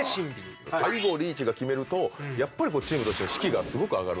最後、リーチが決めるとやっぱりチームの士気がすごく上がる。